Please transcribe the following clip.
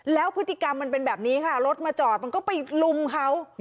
แล้วพฤติกรรมมันเป็นแบบนี้ค่ะรถมาจอดมันก็ไปลุมเขา